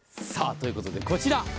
さあという事でこちら。